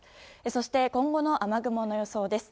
そして今後の雨雲の予想です。